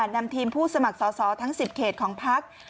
นำทีมผู้สมัครสอสอทั้ง๑๐เขตของพัก